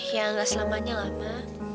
ya gak selamanya lah ma